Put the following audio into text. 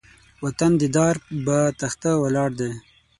وطن د دار بۀ تخته ولاړ دی